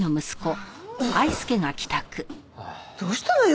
どうしたのよ？